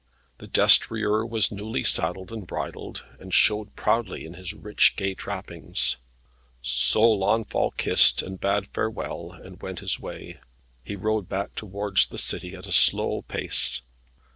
The destrier was newly saddled and bridled, and showed proudly in his rich gay trappings. So Launfal kissed, and bade farewell, and went his way. He rode back towards the city at a slow pace.